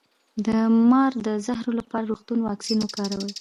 د مار د زهر لپاره د روغتون واکسین وکاروئ